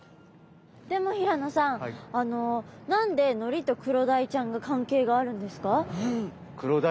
でも平野さん何でのりとクロダイちゃんが関係があるんですか？